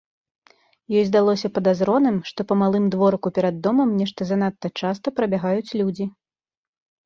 Ёй здалося падазроным, што па малым дворыку перад домам нешта занадта часта прабягаюць людзі.